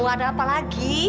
gak ada apa lagi